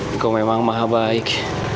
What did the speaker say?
engkau memang maha baik